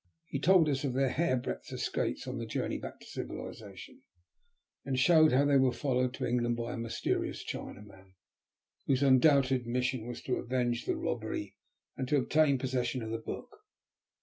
He told us of their hair breadth escapes on the journey back to civilization, and showed how they were followed to England by a mysterious Chinaman, whose undoubted mission was to avenge the robbery, and to obtain possession of the book.